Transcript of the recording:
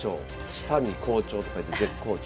「舌」に「好調」と書いて舌好調。